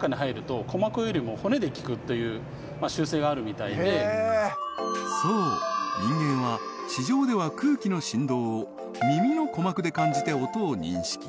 はいそう人間は地上では空気の振動を耳の鼓膜で感じて音を認識